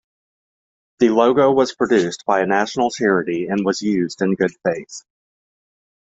The logo was produced by a national charity and was used in good faith.